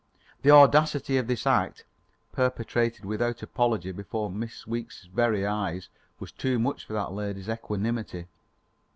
The audacity of this act, perpetrated without apology before Miss Weeks' very eyes, was too much for that lady's equanimity.